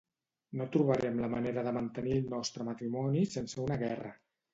No trobarem la manera de mantenir el nostre matrimoni sense una guerra.